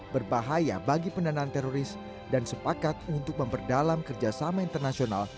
berbahaya bagi pendanaan teroris dan sepakat untuk memperdalam kerjasama internasional